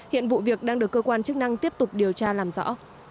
hiện vụ việc đang được cơ quan chức năng tiếp tục điều tra làm rõ